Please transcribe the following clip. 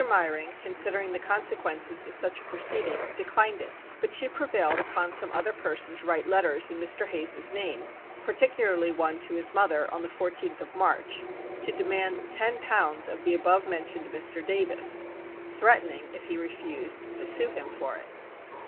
Myring considering the consequences of such a proceeding declined it. But she prevailed upon some other person to write letters in Mr. Hayes's name, particularly one to his mother, on the 14th of March, to demand ten pounds of the above mentioned Mr. Davis, threatening if he refused, to sue him for it.